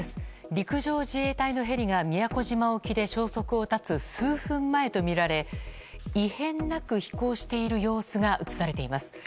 陸上自衛隊のヘリが宮古島沖で消息を絶つ数分前とみられ異変なく飛行している様子が映されています。